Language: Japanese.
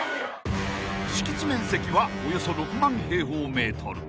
［敷地面積はおよそ６万平方ｍ］